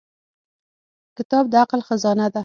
• کتاب د عقل خزانه ده.